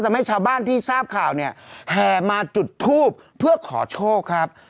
ทำให้ชาวบ้านที่ทราบข่าวเนี่ยแห่มาจุดทูบเพื่อขอโชคครับ